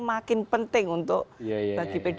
makin penting untuk bagi pdi itu